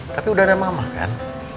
tapi udah ada mama kan